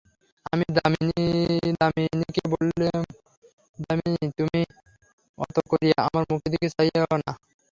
আমি দামিনীকে বলিলাম, দামিনী, তুমি অত করিয়া আমার মুখের দিকে চাহিয়ো না।